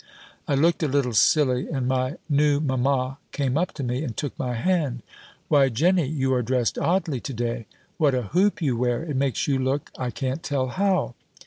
I looked a little silly; and my new mamma came up to me, and took my hand: "Why, Jenny, you are dressed oddly to day! What a hoop you wear; it makes you look I can't tell how!"